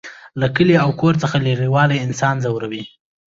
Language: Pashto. له کلي او کور څخه لرېوالی انسان ځوروي